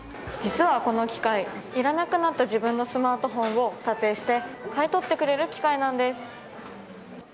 実はこの機械、いらなくなった自分のスマートフォンを査定して買い取ってくれる機械なんです。